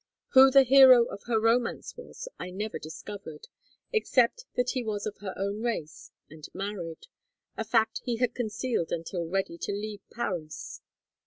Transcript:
Who the hero of her romance was I never discovered, except that he was of her own race, and married, a fact he had concealed until ready to leave Paris.